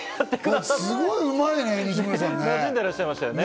すごいうまいね！